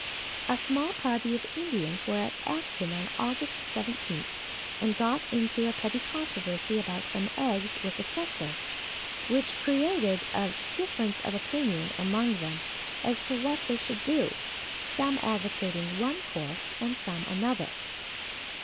A small party of Indians were at Acton, on August 17th, and got into a petty controversy about some eggs with a settler, which created a difference of opinion among them as to what they should do, some advocating one course and some another.